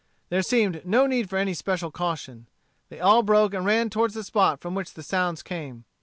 There seemed no need for any special caution. They all broke and ran toward the spot from which the sounds came.